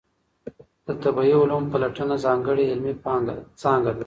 د طبیعي علومو پلټنه ځانګړې علمي څانګه ده.